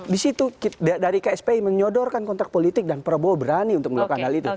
di situ dari kspi menyodorkan kontrak politik dan prabowo berani untuk melakukan hal itu